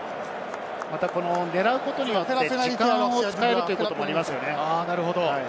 狙うことによって時間を使えるということもありますよね。